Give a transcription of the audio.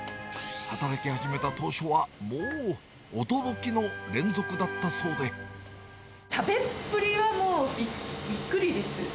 働き始めた当初は、もう、驚きの食べっぷりは、もうびっくりです。